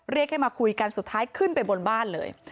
เรียกให้มาคุยกันสุดท้ายขึ้นไปบนบ้านเลย